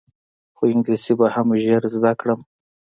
خو انګلیسي به هم ژر زده کړم.